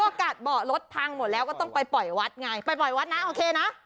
อากาศเบาะรถพังหมดแล้วก็ต้องไปปล่อยวัดไงไปปล่อยวัดนะโอเคนะ